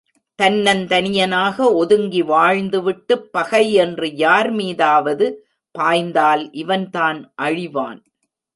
தன்னந்தனியனாக ஒதுங்கி வாழ்ந்து விட்டுப் பகை என்று யார் மீதாவது பாய்ந்தால் இவன்தான் அழிவான்.